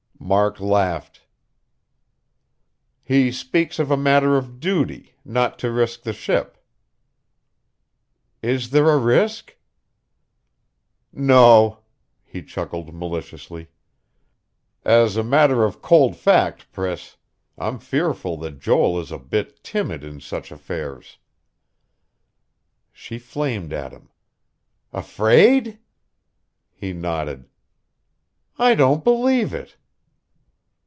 Mark laughed. "He speaks of a matter of duty, not to risk the ship." "Is there a risk?" "No." He chuckled maliciously. "As a matter of cold fact, Priss, I'm fearful that Joel is a bit timid in such affairs." She flamed at him: "Afraid?" He nodded. "I don't believe it."